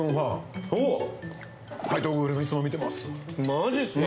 マジっすか。